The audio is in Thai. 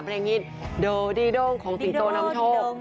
เพลงฮิตโดดีโด้งของสิงโตนำโชค